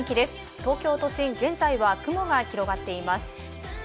東京都心、現在は雲が広がっています。